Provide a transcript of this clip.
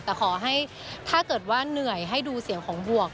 แต่ขอให้ถ้าเกิดว่าเหนื่อยให้ดูเสียงของบวก